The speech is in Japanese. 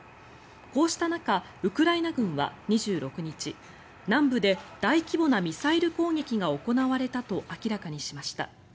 こうした中ウクライナ軍は２６日南部で大規模なミサイル攻撃が行われたと明らかにしました。